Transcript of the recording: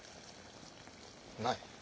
ない。